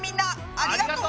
ありがとう！